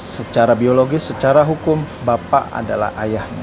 secara biologis secara hukum bapak adalah ayahnya